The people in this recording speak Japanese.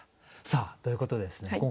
さあということでですね